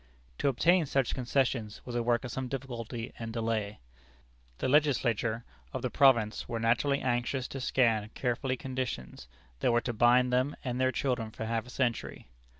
To obtain such concessions was a work of some difficulty and delay. The Legislature of the province were naturally anxious to scan carefully conditions that were to bind them and their children for half a century.